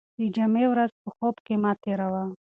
د جمعې ورځ په خوب کې مه تېروه.